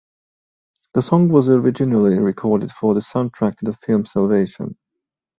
The song was originally recorded for the soundtrack to the film Salvation!